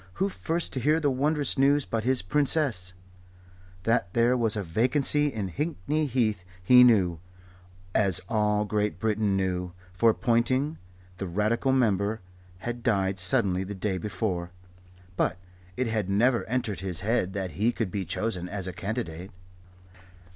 Who first to hear the wondrous news but his Princess? That there was a vacancy in Hickney Heath he knew, as all Great Britain knew; for Ponting, the Radical Member, had died suddenly the day before. But it had never entered his head that he could be chosen as a candidate.